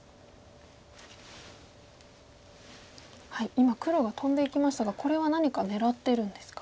今黒がトンでいきましたがこれは何か狙ってるんですか？